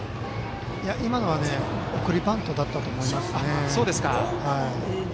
いや、今のは送りバントだったと思いますね。